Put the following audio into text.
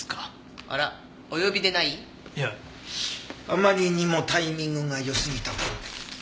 あまりにもタイミングがよすぎたもので。